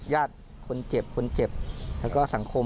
ญาติคนเจ็บแล้วก็สังคม